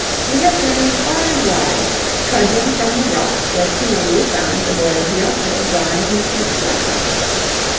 we have journeyed far and wide, trudging from the rock where Cimabue found the boy Giotto drawing his sheep's likeness.